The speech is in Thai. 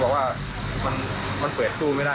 มีตาคนะคะ